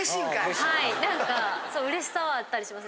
はい何かうれしさはあったりします